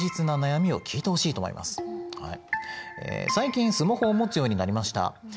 最近スマホを持つようになりました。